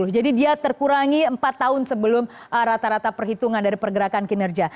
jadi dia terkurangi empat tahun sebelum rata rata perhitungan dari pergerakan kinerja